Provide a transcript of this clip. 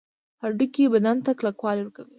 هډوکي بدن ته کلکوالی ورکوي